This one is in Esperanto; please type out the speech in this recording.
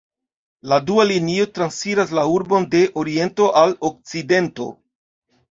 La dua linio transiras la urbon de oriento al okcidento.